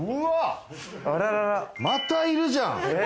またいるじゃん！